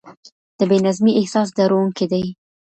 د بې نظمۍ احساس ډارونکی دی.